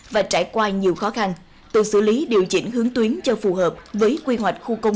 hai nghìn hai mươi và trải qua nhiều khó khăn từ xử lý điều chỉnh hướng tuyến cho phù hợp với quy hoạch khu công